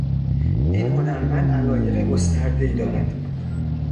این هنرمند علایق گستردهای دارد.